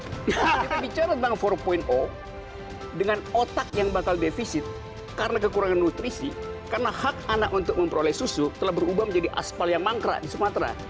kita bicara tentang empat dengan otak yang bakal defisit karena kekurangan nutrisi karena hak anak untuk memperoleh susu telah berubah menjadi asfal yang mangkrak di sumatera